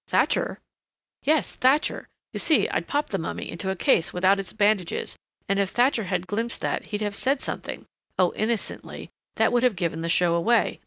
"Thatcher?" "Yes, Thatcher. You see I'd popped the mummy into a case without its bandages and if Thatcher had glimpsed that he'd have said something Oh, innocently that would have given the show away.